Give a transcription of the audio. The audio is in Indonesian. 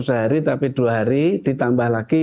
sehari tapi dua hari ditambah lagi